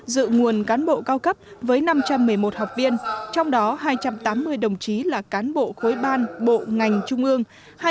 dự nguồn cán bộ cao cấp với năm trăm một mươi một học viên trong đó hai trăm tám mươi đồng chí là cán bộ khối ban bộ ngành trung ương